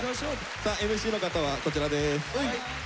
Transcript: さあＭＣの方はこちらです。